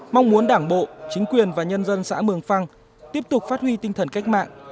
mong muốn đảng bộ chính quyền và nhân dân xã mường phăng tiếp tục phát huy tinh thần cách mạng